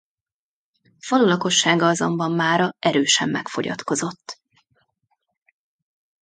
A falu lakossága azonban mára erősen megfogyatkozott.